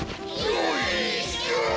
よいしょ！